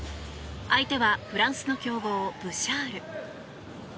相手はフランスの強豪ブシャール。